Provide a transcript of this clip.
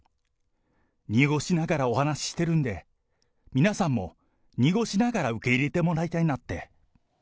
濁しながらお話ししてるんで、皆さんも濁しながら受け入れてもら